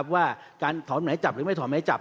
ว่าการถอดไหมจับหรือไม่ถอดไหมจับ